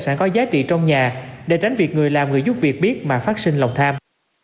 sản có giá trị trong nhà để tránh việc người làm người giúp việc biết mà phát sinh lòng tham